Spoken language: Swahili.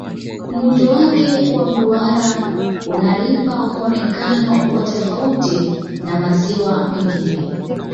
muundo Wake wa mduara unalipa muonekano wa tafauti na maziwa mengine